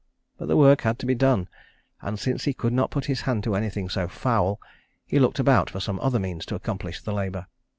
But the work had to be done; and since he could not put his hand to anything so foul, he looked about for some other means to accomplish the labor.